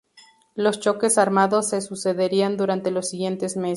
Los choques armados se sucederían durante los siguientes meses.